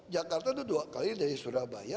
jakarta itu dua kali dari surabaya